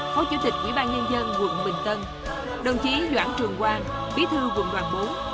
phó chủ tịch quỹ ban nhân dân quận bình tân đồng chí doãn trường quang bí thư quận đoàn bốn